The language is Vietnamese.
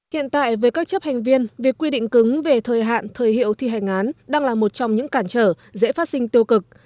hiện tại với các chấp hành viên việc quy định cứng về thời hạn thời hiệu thi hành án đang là một trong những cản trở dễ phát sinh tiêu cực